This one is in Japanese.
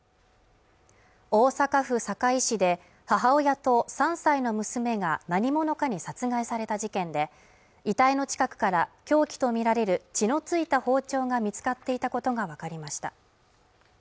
大阪府堺市で母親と３歳の娘が何者かに殺害された事件で遺体の近くから凶器とみられる血の付いた包丁が見つかっていたことが分かりました